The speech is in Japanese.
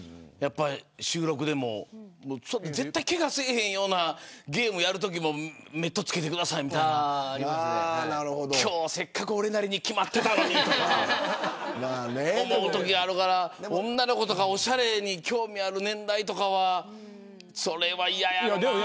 収録でも絶対けがせえへんようなゲームをやるときもメットを着けてくださいみたいな俺なりにせっかく決まっていたのにと思うときがあるから女の子とかおしゃれに興味がある年代はそれは嫌やろうな。